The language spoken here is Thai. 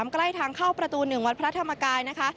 ใกล้ทางเข้าประตู๑วัดพระธรรมกายนะคะ